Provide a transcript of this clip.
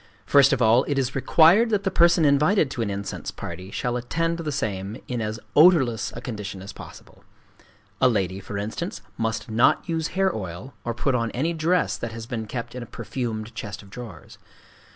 First of all, it is required that the person invited to an incense party shall attend the same in as odorless a condition as possible: a lady, for instance, must not use hair oil, or put on any dress that has been kept in a perfumed chest of drawers.